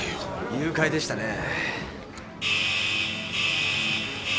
誘拐でしたねえ。